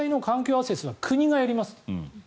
アセスは国がやりますと。